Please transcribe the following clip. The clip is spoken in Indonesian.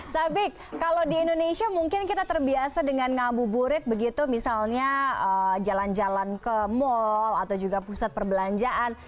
sabik kalau di indonesia mungkin kita terbiasa dengan ngabuburit begitu misalnya jalan jalan ke mal atau juga pusat perbelanjaan